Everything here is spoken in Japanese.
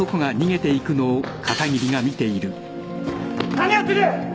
何やってる！？